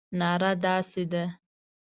ناره داسې ده.